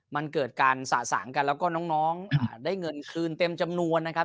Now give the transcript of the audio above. มันเกิดการสะสางกันแล้วก็น้องได้เงินคืนเต็มจำนวนนะครับ